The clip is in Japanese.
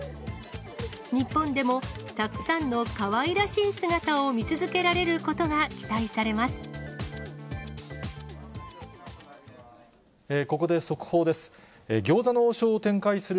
日本でもたくさんのかわいらしい姿を見続けられることが期待されます。